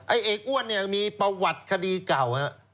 ไอ้เอกอ้วนเนี่ยมีประวัติคดีเก่า